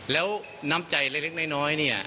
แล้วน้ำใจเล็กน้อยเนี่ย